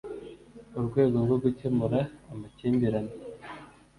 Urwego rwo gukemura amakimbirane